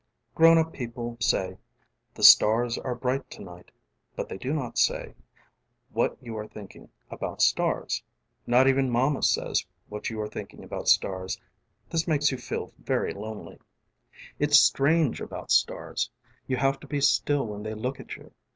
┬Ā┬ĀGrown up people say: ┬Ā┬ĀThe stars are bright to night, ┬Ā┬Ābut they do not say ┬Ā┬Āwhat you are thinking about starsŌĆö ┬Ā┬Ānot even mama says what you are thinking about stars. ┬Ā┬ĀThis makes you feel very lonely. :: It's strange about starsŌĆ". You have to be still when they look at you.